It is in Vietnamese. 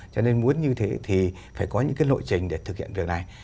cho nên muốn như thế thì phải có những cái lộ trình để thực hiện việc này